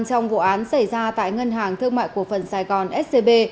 trong vụ án xảy ra tại ngân hàng thương mại cổ phần sài gòn scb